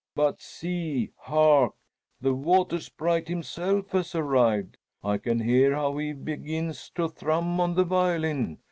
"But see, hark! The Water Sprite himself has arrived. I can hear how he begins to thrum on the violin.